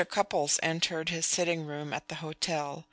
Cupples entered his sitting room at the hotel.